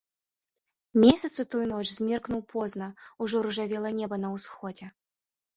Месяц у тую ноч змеркнуў позна, ужо ружавела неба на ўсходзе.